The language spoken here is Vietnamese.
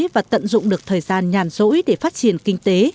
và tận dụng được thời gian nhàn rỗi để phát triển kinh tế